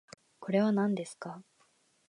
これはなんですか